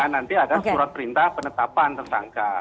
nanti ada surat perintah penetapan tersangka